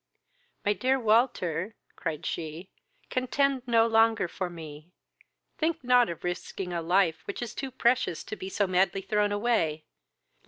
My dear Walter, (cried she,) contend no longer for me: think not of risking a life which is too precious to be so madly thrown away.